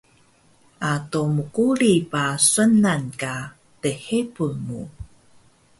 ado mquri ba sunan ka lhebun mu